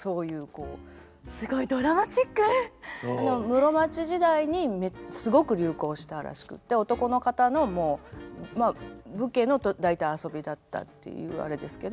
室町時代にすごく流行したらしくって男の方のまあ武家の大体遊びだったっていうあれですけど。